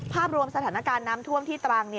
ภาพรวมสถานการณ์น้ำท่วมที่ตรัง